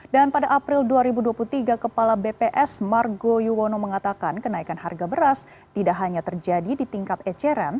dan pada april dua ribu dua puluh tiga kepala bps margo yuwono mengatakan kenaikan harga beras tidak hanya terjadi di tingkat ecrn